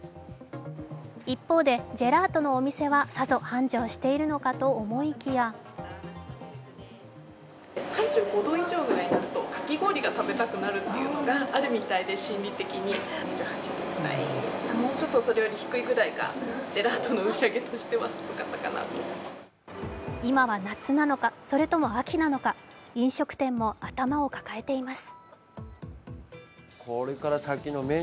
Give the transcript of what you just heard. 一方でジェラートのお店はさぞ繁盛しているのかと思いきや今は夏なのか、それとも秋なのか、飲食店も頭を抱えています。